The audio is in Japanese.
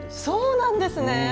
そうなんですね！